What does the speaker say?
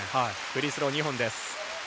フリースロー２本です。